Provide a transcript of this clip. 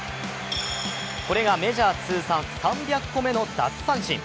これがメジャー通算３００個目の奪三振。